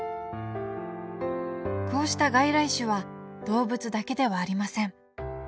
こうした外来種は動物だけではありません。